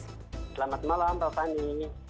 selamat malam bapak ani